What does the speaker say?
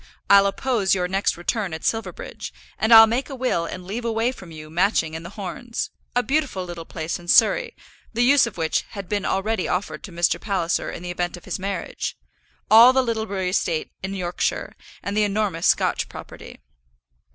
I'll oppose your next return at Silverbridge, and I'll make a will and leave away from you Matching and The Horns, a beautiful little place in Surrey, the use of which had been already offered to Mr. Palliser in the event of his marriage; all the Littlebury estate in Yorkshire, and the enormous Scotch property.